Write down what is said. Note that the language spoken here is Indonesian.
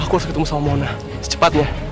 aku harus ketemu sama mona secepatnya